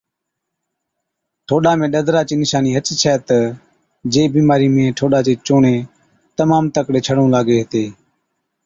ٺوڏا ۾ ڏَدرا چِي نِشانِي هچ ڇَي تہ جي بِيمارِي ۾ ٺوڏا چي چُونڻي تمام تڪڙي ڇڻُون لاگي هِتي